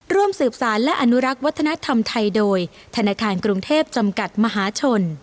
ร่วมสืบสารและอนุรักษ์วัฒนธรรมไทยโดยธนาคารกรุงเทพจำกัดมหาชน